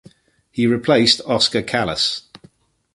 He replaced Oskar Kallas.